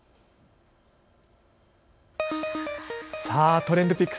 ＴｒｅｎｄＰｉｃｋｓ。